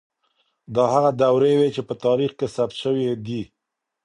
دا هغه دورې وې چي په تاريخ کي ثبت سوې دي.